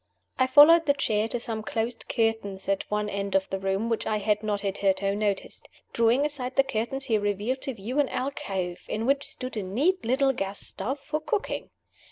I followed the chair to some closed curtains at one end of the room, which I had not hitherto noticed. Drawing aside the curtains, he revealed to view an alcove, in which stood a neat little gas stove for cooking.